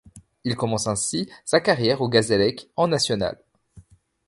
Il commence ainsi sa carrière au Gazélec, en National.